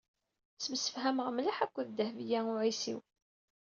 Ttemsefhameɣ mliḥ akked Dehbiya u Ɛisiw.